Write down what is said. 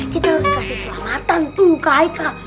kita harus kasih selamatan tuh ke haikal